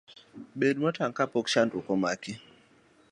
Bed motang' kapok chandruok omaki.